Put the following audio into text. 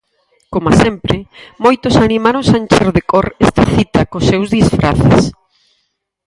Coma sempre, moitos animáronse a encher de cor esta cita cos seus disfraces.